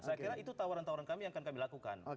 saya kira itu tawaran tawaran kami yang akan kami lakukan